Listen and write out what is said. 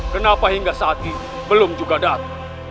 kenapa hingga saat ini belum juga datang